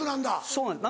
そうなんです